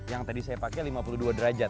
yang tadi saya pakai lima puluh dua derajat